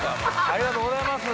ありがとうございます。